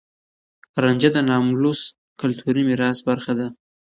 رانجه د ناملموس کلتوري ميراث برخه ده.